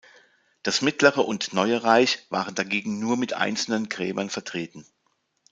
Das Mittlere und Neue Reich waren dagegen nur mit einzelnen Gräbern vertreten.